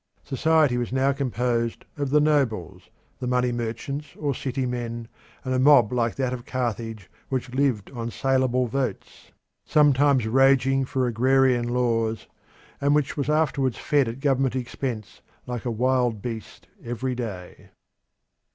Society was now composed of the nobles, the money merchants or city men, and a mob like that of Carthage, which lived on saleable votes, sometimes raging for agrarian laws, and which was afterwards fed at government expense like a wild beast every day.